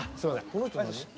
この人何？